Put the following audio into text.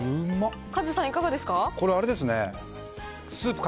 カズさん、いかがですか？